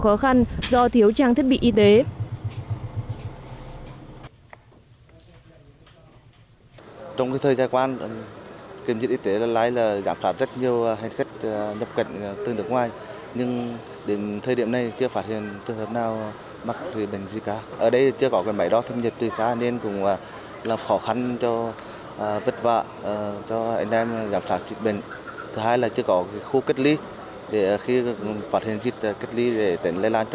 còn gặp nhiều khó khăn do thiếu trang thiết bị y tế